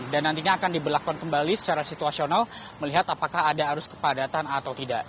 dan nantinya akan dibelakon kembali secara situasional melihat apakah ada arus kepadatan atau tidak